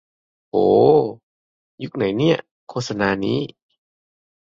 โห ยุคไหนเนี่ย โฆษณานี้